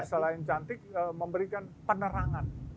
selain cantik memberikan penerangan